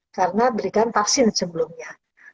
karena diberikan vaksin sebelumnya